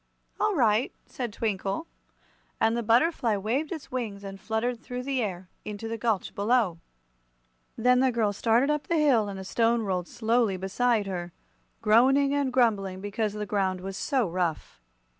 "All right," said Twinkle, and the butterfly waved its wings and fluttered through the air into the gulch below. Then the girl started up the hill and the Stone rolled slowly beside her, groaning and grumbling because the ground was so rough.